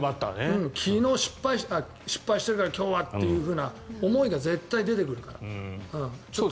昨日失敗しているから今日はというふうな思いが絶対に出てくるから。